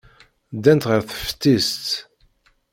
Ddant ɣer teftist.